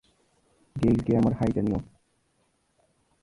গেইলকে আমার হাই জানিয়ো!